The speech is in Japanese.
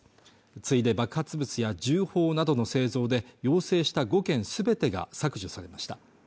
ついで爆発物や銃砲などの製造で要請した５件全てが削除されました